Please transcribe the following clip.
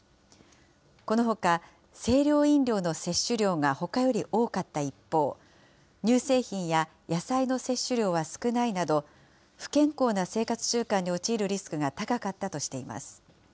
このほか、清涼飲料の摂取量がほかより多かった一方、乳製品や野菜の摂取量は少ないなど、不健康な生活習慣に陥るリスクが高かったとしています。